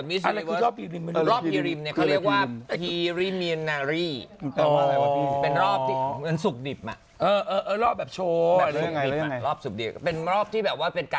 มึงจบหรือยังอะ